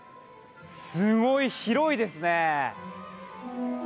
すごい広いですね。